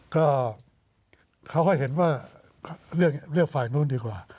ก็เขาค่อยเห็นว่าเลือกเลือกฝ่ายนู้นดีกว่า